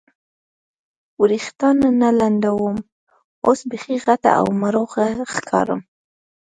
وریښتان نه لنډوم، اوس بیخي غټه او مړوښه ښکارم.